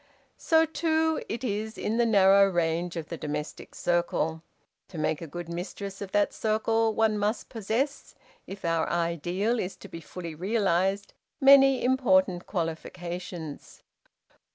So, too, it is in the narrow range of the domestic circle. To make a good mistress of that circle, one must possess, if our ideal is to be fully realized, many important qualifications.